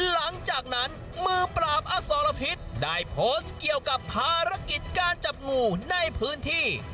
หลังจากนั้นมือปราบอสรพิษได้โพสต์เกี่ยวกับภารกิจการจับงูในพื้นที่